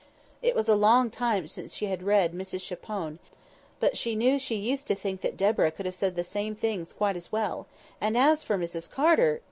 It was a long time since she had read Mrs Chapone, but she knew she used to think that Deborah could have said the same things quite as well; and as for Mrs Carter!